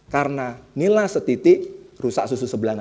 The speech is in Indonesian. karena nilai setitik rusak susu sebelah